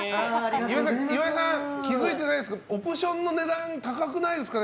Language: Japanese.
岩井さん気づいてないですけどオプションの値段高くないですかね。